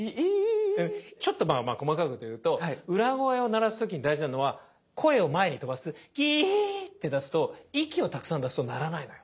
ちょっとまあま細かいこと言うと裏声を鳴らす時に大事なのは声を前に飛ばす「ぎいー」って出すと息をたくさん出すと鳴らないのよ。